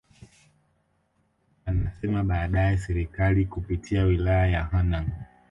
Anasema baadaye Serikali kupitia Wilaya ya Hanang